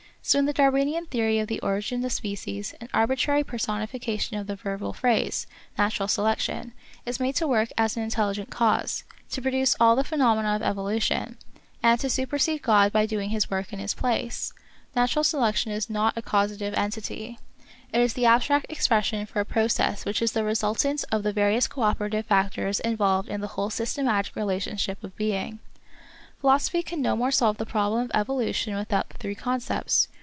So in the Darwinian theory of the Origin of Species an arbitrary personification of the verbal phrase, Natural Selection, is made to work as an intelligent cause, to produce all the phenomena of evolution, and to supersede God by doing his work in his place ! Natural Selection is not a causative entity. It is the abstract expression for a process which is the resultant of the various cooperative factors involved in the whole Systematic Relationship of Being. Philosophy can no more solve the problem of evolution without the three concepts.